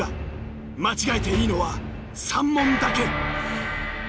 間違えていいのは３問だけ。